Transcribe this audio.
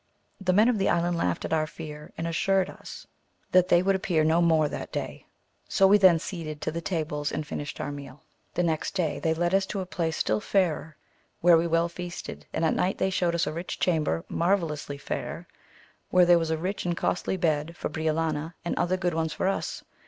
The >f the island laughed at our fear, and assured us ley would appear no more that day, so we then yd to the tables and finished our meal. AMADIS OF GAUL. 121 The next day they led us to a place still fairer, where we were well feasted, and at night they showed us a rich chamber, marvellously fair, where there was a rich and costly bed for Briolania, and other good ones for us.